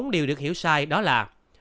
bốn điều được hiểu sai đó là